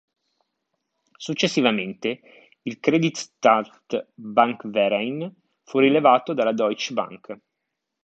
Successivamente il "Creditanstalt-Bankverein" fu rilevato dalla "Deutsche Bank".